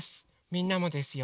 みんなもですよ。